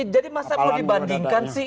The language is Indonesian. jadi masa mau dibandingkan sih